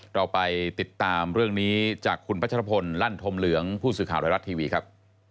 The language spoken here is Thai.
เราไปติดตามเรื่องนี้จากคุณพัชรพลลั่นธมเหลืองผู้สื่อข่าวไทยรัฐทีวีครับ